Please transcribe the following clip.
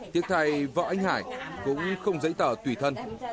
thiệt thay vợ anh hải cũng không giấy tờ tùy thân